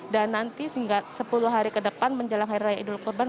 dan nanti sehingga sepuluh hari ke depan menjelang hari raya idul kurban